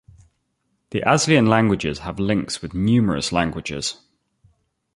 The Aslian languages have links with numerous languages.